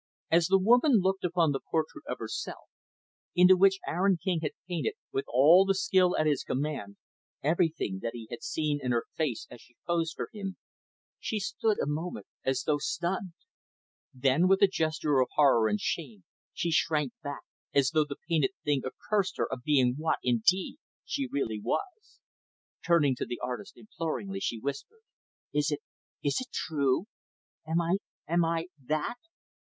As the woman looked upon that portrait of herself, into which Aaron King had painted, with all the skill at his command, everything that he had seen in her face as she posed for him, she stood a moment as though stunned. Then, with a gesture of horror and shame, she shrank back, as though the painted thing accused her of being what, indeed, she really was. Turning to the artist, imploringly, she whispered, "Is it is it true? Am I am I that?"